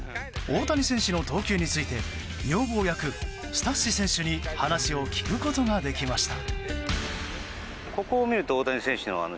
大谷選手の投球について女房役、スタッシ選手に話を聞くことができました。